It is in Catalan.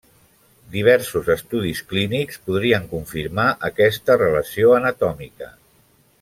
Diversos estudis clínics podrien confirmar aquesta relació anatòmica.